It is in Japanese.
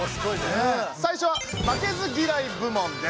さいしょは負けず嫌い部門です。